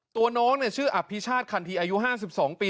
ตัวน้องเนี่ยชื่ออัภิชาติคันภีร์อายุ๕๒ปี